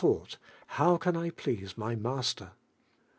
thought How can 1 please my Master?